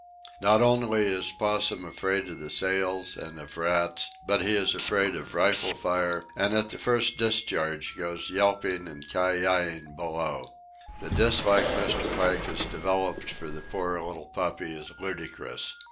Not only is Possum afraid of the sails and of rats, but he is afraid of rifle fire, and at the first discharge goes yelping and ki yi ing below. The dislike Mr. Pike has developed for the poor little puppy is ludicrous.